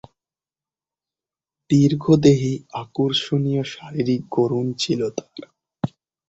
দীর্ঘদেহী, আকর্ষনীয় শারীরিক গড়ন ছিল তার।